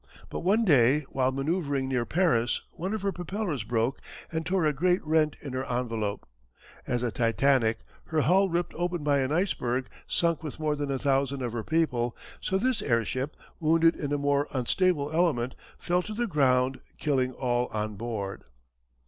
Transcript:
But one day while manoeuvring near Paris one of her propellers broke and tore a great rent in her envelope. As the Titanic, her hull ripped open by an iceberg, sunk with more than a thousand of her people, so this airship, wounded in a more unstable element, fell to the ground killing all on board.